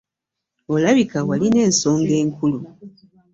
Olabika walina ensonga enkulu.